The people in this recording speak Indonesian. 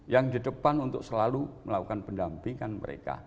yang di depan untuk selalu melakukan pendampingan mereka